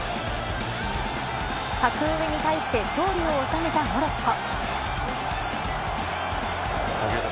格上に対して勝利を収めたモロッコ。